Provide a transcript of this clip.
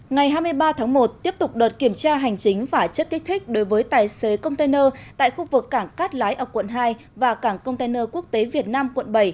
ngày hai mươi ba tháng một tiếp tục đợt kiểm tra hành chính và chất kích thích đối với tài xế container tại khu vực cảng cát lái ở quận hai và cảng container quốc tế việt nam quận bảy